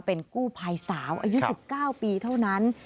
เป็นกู้ภัยสาวอายุ๑๙ปีเท่านั้น